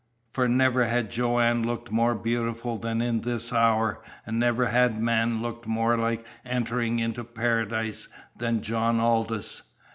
For never had Joanne looked more beautiful than in this hour, and never had man looked more like entering into paradise than John Aldous.